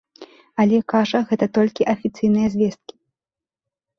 Але, кажа, гэта толькі афіцыйныя звесткі.